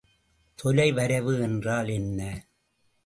தொலைவரைவு என்றால் என்ன?